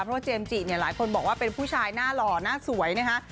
เพราะว่าเจมส์จิเนี่ยหลายคนบอกว่าเป็นผู้ชายหน้าหล่อหน้าสวยนะคะ